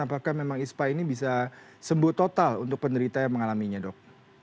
apakah memang ispa ini bisa sembuh total untuk penderita yang mengalaminya dok